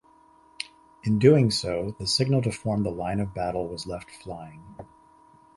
In doing so, the signal to form the line of battle was left flying.